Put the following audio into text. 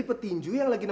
nanti aku simpen